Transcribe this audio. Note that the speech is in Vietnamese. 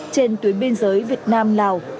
trên tuyến biên giới việt nam lào